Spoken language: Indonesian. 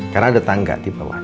karena ada tangga di bawah